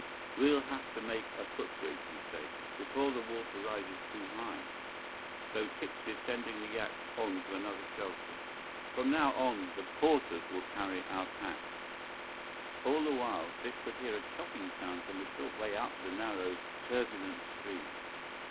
"We'll have to make a footbridge," he stated, "before the water rises too high. So Tikse is sending the yaks on to another shelter. From now on, the porters will carry our packs." All the while, Biff could hear a chopping sound from a short way up the narrow, turbulent stream.